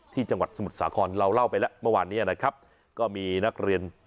จังหวัดสมุทรสาครเราเล่าไปแล้วเมื่อวานเนี้ยนะครับก็มีนักเรียน